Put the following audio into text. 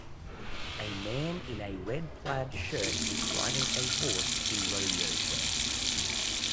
A man in a red plaid shirt is riding a horse in rodeo show.